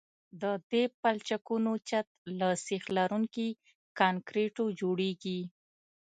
د دې پلچکونو چت له سیخ لرونکي کانکریټو جوړیږي